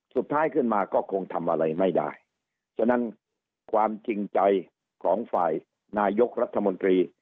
สุดท้ายขึ้นมาก็คงทำอะไรไม่ได้ฉะนั้นความจริงใจของฝ่ายนายกรัฐมนตรี